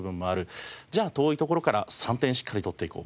じゃあ遠い所から３点しっかり取っていこう。